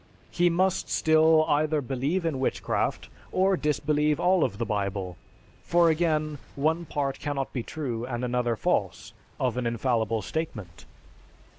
He must still either believe in witchcraft or disbelieve all of the Bible. For again, one part cannot be true and another false of an infallible statement.